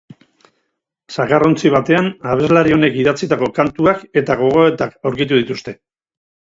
Zakarrontzi batean abeslari honek idatzitako kantuak eta gogoetak aurkitu dituzte.